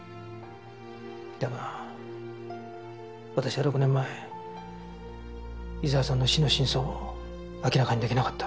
だが私は６年前伊沢さんの死の真相を明らかに出来なかった。